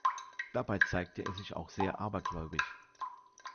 Dabei zeigte er sich auch sehr abergläubisch.